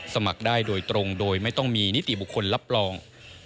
สมัครได้โดยตรงโดยไม่ต้องมีนิติบุคคลรับรอง